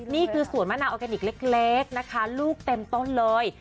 นี่คือสวนมะนาวออร์แกนิคเล็กนะคะลูกเต็มต้นเลย